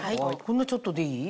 ほんのちょっとでいい？